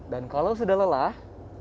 dan kalau sudah lelah